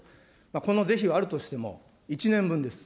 この是非はあるとしても１年分です。